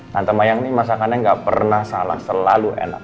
tante mayang ini masakannya nggak pernah salah selalu enak